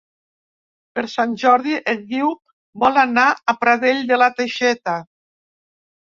Per Sant Jordi en Guiu vol anar a Pradell de la Teixeta.